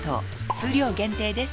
数量限定です